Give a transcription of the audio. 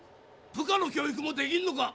部下の教育もできんのか。